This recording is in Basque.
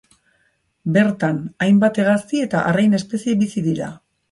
Bertan hainbat hegazti eta arrain espezie bizi dira.